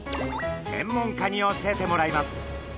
専門家に教えてもらいます。